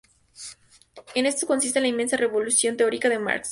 En esto consiste "la inmensa revolución teórica de Marx".